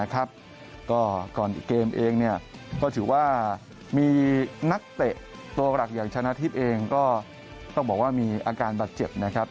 ก็ก่อนเกมเองก็ถือว่ามีนักเตะตัวหลักอย่างชนะทิพย์เองก็ต้องบอกว่ามีอาการบาดเจ็บนะครับ